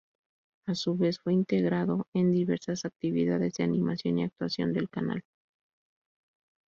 A su vez fue integrado en diversas actividades de animación y actuación del canal.